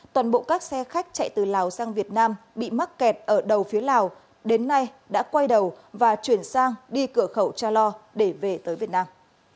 toàn bộ các xe khách chạy từ lào sang việt nam bị mắc kẹt ở đầu phía lào đến nay đã quay đầu và chuyển sang đi cửa khẩu cha lo để về tới việt nam